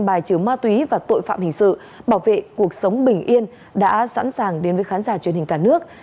bài trừ ma túy và tội phạm hình sự bảo vệ cuộc sống bình yên đã sẵn sàng đến với khán giả truyền hình cả nước